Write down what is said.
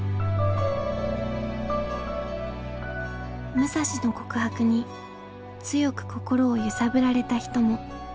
武蔵の告白に強く心を揺さぶられた人も。